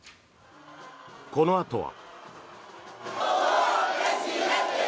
このあとは。